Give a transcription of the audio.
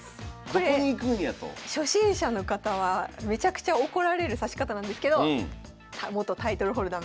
これ初心者の方はめちゃくちゃ怒られる指し方なんですけど元タイトルホルダー